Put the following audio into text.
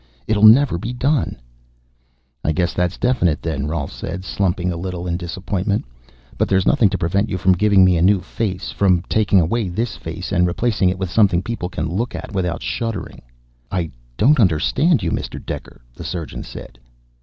It'll never be done." "I guess that's definite, then," Rolf said, slumping a little in disappointment. "But there's nothing to prevent you from giving me a new face from taking away this face and replacing it with something people can look at without shuddering." "I don't understand you, Mr. Dekker," the surgeon said.